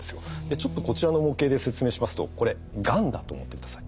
ちょっとこちらの模型で説明しますとこれがんだと思って下さい。